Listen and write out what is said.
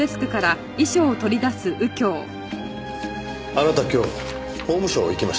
あなた今日法務省へ行きましたね？